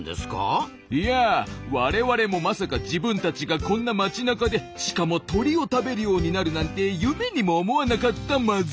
いやあ我々もまさか自分たちがこんな街なかでしかも鳥を食べるようになるなんて夢にも思わなかったマズ。